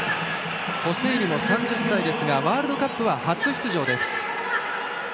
ホセイニは３０歳ですがワールドカップ初出場です。